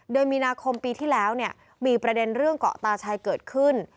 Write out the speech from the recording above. เดือนมีนาคมปีที่แล้วมีประเด็นเรื่องเกาะตาชัยเกิดขึ้น